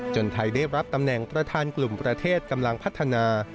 ไทยได้รับตำแหน่งประธานกลุ่มประเทศกำลังพัฒนา